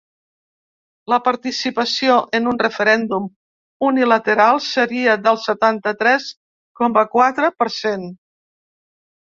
La participació en un referèndum unilateral seria del setanta-tres coma quatre per cent.